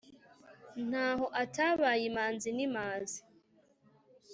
Ntaho atabaye imanzi n’ imazi.